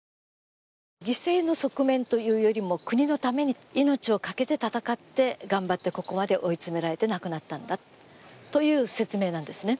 犠牲の側面というよりも、国のために命を懸けて戦って頑張ってここまで追い詰められて亡くなったんだという説明なんですね。